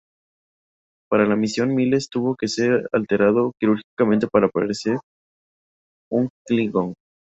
Para la misión, Miles tuvo que ser alterado quirúrgicamente para parecer un klingon.